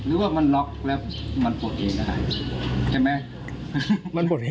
หรือว่ามันล็อคแล้วมันปลดเองได้